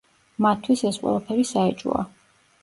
მათთვის ეს ყველაფერი საეჭვოა.